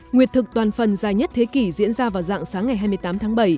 nguyệt thực toàn phần dài nhất thế kỷ diễn ra vào dạng sáng ngày hai mươi tám tháng bảy